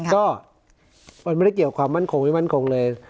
ก็มันไม่ได้เกี่ยวความมั่นคงไม่มั่นคงเลย